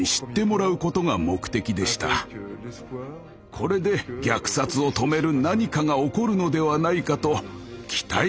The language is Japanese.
これで虐殺を止める何かが起こるのではないかと期待したのです。